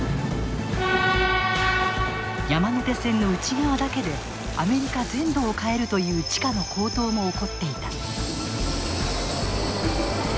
山手線の内側だけでアメリカ全土を買えるという地価の高騰も起こっていた。